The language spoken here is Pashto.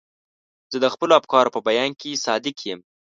زه د خپلو افکارو په بیان کې صادق یم.